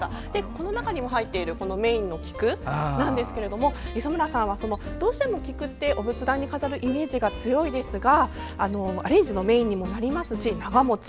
この中に入っているメインの菊は磯村さんはどうしても菊ってお仏壇に飾るイメージが強いですがアレンジのメインにもなりますし長持ち。